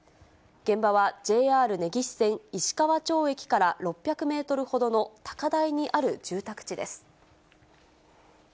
現場はＪＲ根岸線石川町駅から６００メートルほどの高台にある住宅地です。